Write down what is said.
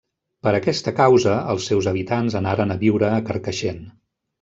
Per aquesta causa els seus habitants anaren a viure a Carcaixent.